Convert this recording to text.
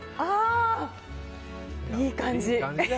いい感じ。